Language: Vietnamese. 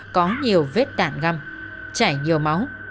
có nhiều vết đạn găm chảy nhiều máu